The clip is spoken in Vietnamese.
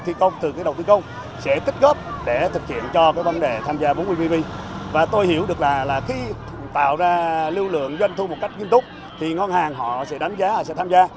thì ngân hàng họ sẽ đánh giá họ sẽ tham gia